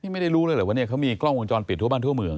ไม่ได้รู้เลยเหรอว่าเนี่ยเขามีกล้องวงจรปิดทั่วบ้านทั่วเมือง